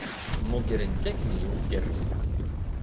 Mmugren-k akken igerrez.